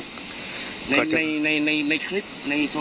ในคลิปในโซเชียลนะครับ